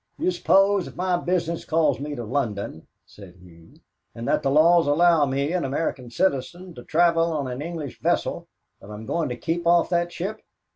"Do you suppose, if my business calls me to London," said he, "and that the laws allow me, an American citizen, to travel on an English vessel that I'm going to keep off that ship?